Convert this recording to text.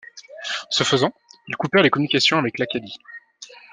Ce faisant, ils coupèrent les communications avec l'Acadie.